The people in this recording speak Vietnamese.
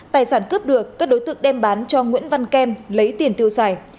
tài sản cướp được các đối tượng đem bán cho nguyễn văn kem lấy tiền tiêu xài